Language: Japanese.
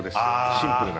シンプルな。